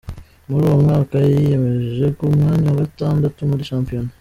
Muri uwo mwaka yayigejeje ku mwanya wa gatatu muri shampiyona.